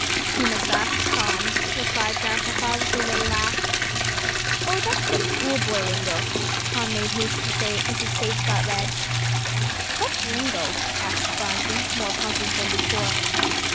"You must ask Tom," replied Grandpapa, with a little laugh. "Oh, that's just schoolboy lingo," Tom made haste to say, as his face got red. "What's lingo?" asked Phronsie, more puzzled than before.